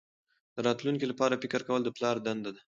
د راتلونکي لپاره فکر کول د پلار دنده ده.